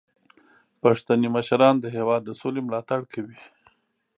پښتني مشران د هیواد د سولې ملاتړ کوي.